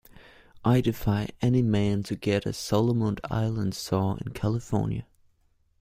I defy any man to get a Solomon Island sore in California.